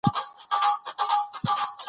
نفت د افغانستان په ستراتیژیک اهمیت کې رول لري.